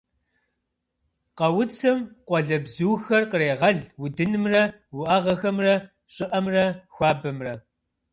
Къэуцым къуалэбзухэр кърегъэл удынымрэ уӏэгъэхэмрэ, щӏыӏэмрэ хуабэмрэ.